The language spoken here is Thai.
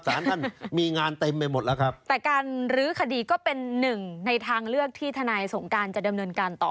สารท่านมีงานเต็มไปหมดแล้วครับแต่การรื้อคดีก็เป็นหนึ่งในทางเลือกที่ทนายสงการจะดำเนินการต่อ